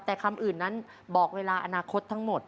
แต่คำอื่นนั้นบอกเวลาอนาคตทั้งหมด